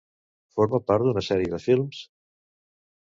Forma part d'una sèrie de films?